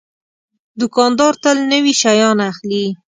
دوکاندار تل نوي شیان اخلي.